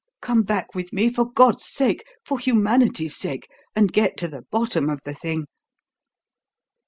Come back with me, for God's sake for humanity's sake and get to the bottom of the thing."